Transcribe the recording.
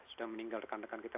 sudah meninggal dekan dekan kita